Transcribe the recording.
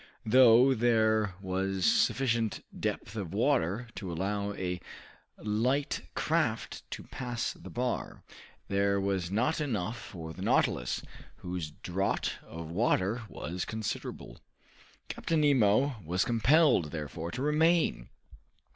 Though there was sufficient depth of water to allow a light craft to pass the bar, there was not enough for the "Nautilus," whose draught of water was considerable. Captain Nemo was compelled, therefore, to remain.